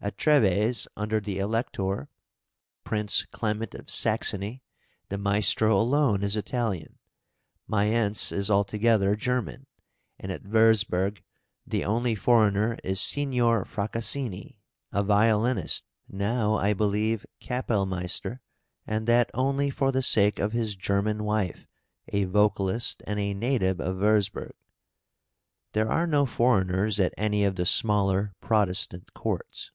At Trêves, under the Elector, Prince Clement of Saxony, the Maestro alone is Italian; Mayence is altogether German; and at Würzburg the only foreigner is Signor Fracassini, a violinist, now, I believe, kapellmeister, and that only for the sake of his German wife, a vocalist and a native of Würzburg. There are no foreigners at any of the smaller Protestant courts."